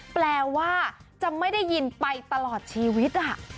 แปลว่าจะไม่ได้ยินไปตลอดชีวิต